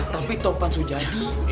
tapi topan sujadi